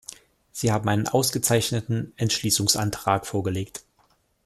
Sie haben einen ausgezeichneten Entschließungsantrag vorgelegt.